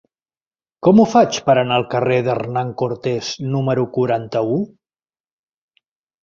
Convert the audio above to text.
Com ho faig per anar al carrer d'Hernán Cortés número noranta-u?